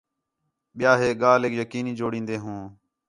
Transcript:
ٻِیا ہِے ڳالھیک یقینی جوڑین٘دے ہوں